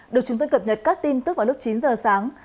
được chúng tôi cập nhật các tin tức vào lúc chín giờ sáng